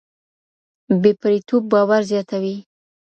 بې پرېتوب باور زياتوي.